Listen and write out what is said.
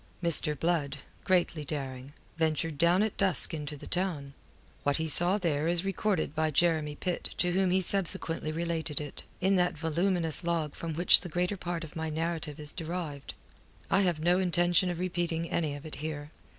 Mr. Blood, greatly daring, ventured down at dusk into the town. What he saw there is recorded by Jeremy Pitt to whom he subsequently related it in that voluminous log from which the greater part of my narrative is derived. I have no intention of repeating any of it here.